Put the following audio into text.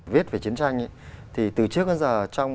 viết về chiến tranh thì từ trước đến giờ